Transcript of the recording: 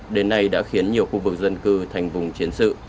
đến nay đã khiến nhiều khu vực dân cư thành vùng chiến sự